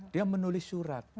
dia menulis suratnya